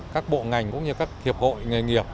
các bộ ngành cũng như các hiệp hội